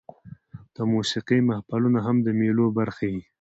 د موسیقۍ محفلونه هم د مېلو برخه يي.